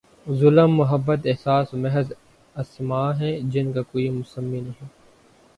ظلم، محبت، احساس، محض اسما ہیں جن کا کوئی مسمی نہیں؟